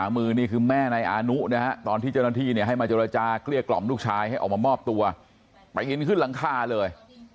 ถุงดวงหมอบตัวไปยินขึ้นหลังคาเลย